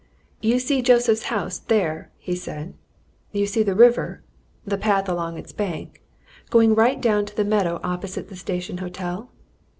"You see Joseph's house there," he said. "You see the river the path along its bank going right down to the meadow opposite the Station Hotel?